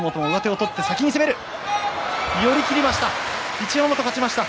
一山本が勝ちました。